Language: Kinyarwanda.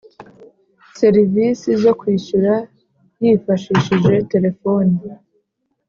serivisi zo kwishyura yifashishije telephone